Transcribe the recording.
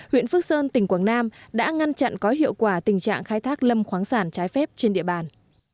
huyện phước sơn tỉnh quảng nam đã ngăn chặn có hiệu quả tình trạng khai thác lâm khoáng sản trái phép trên địa bàn